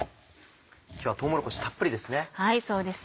今日はとうもろこしたっぷりですね。